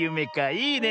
いいね。